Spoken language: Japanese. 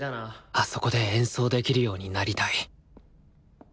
あそこで演奏できるようになりたい。